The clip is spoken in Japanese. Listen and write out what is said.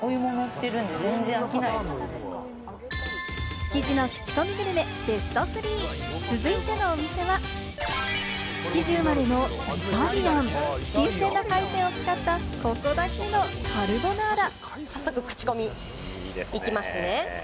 築地の口コミグルメベスト３、続いてのお店は、築地生まれのイタリアン、新鮮な海鮮を使った、ここだけのカルボナーラ。